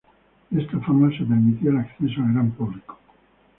De esta forma se permitía el acceso al gran público.